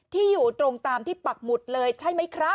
อยู่ตรงตามที่ปักหมุดเลยใช่ไหมครับ